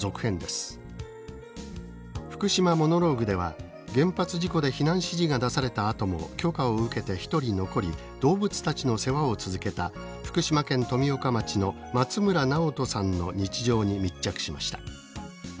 「ＦｕｋｕｓｈｉｍａＭｏｎｏｌｏｇｕｅ」では原発事故で避難指示が出されたあとも許可を受けて一人残り動物たちの世話を続けた福島県富岡町の松村直登さんの日常に密着しました。